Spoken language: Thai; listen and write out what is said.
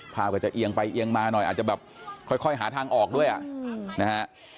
ภาพก็จะเอียงไปเอียงมาหน่อยอาจจะแบบค่อยหาทางออกด้วยอ่ะนะฮะ